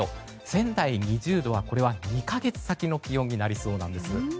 仙台、２０度は２か月先の気温になりそうです。